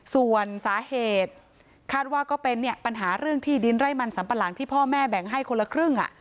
ส่วนสาเหตุคาดว่าก็เป็นปัญหาเรื่องที่ดินไร่มันสัมปะหลังที่พ่อแม่แบ่งให้คนละครึ่ง